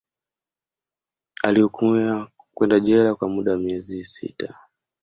Alihukumiwa kwenda jela kwa muda wa miezi sita